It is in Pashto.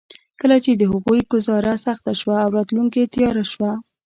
کله چې د هغوی ګوزاره سخته شوه او راتلونکې تياره شوه.